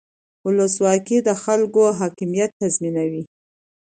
ولسواکي د خلکو حاکمیت تضمینوي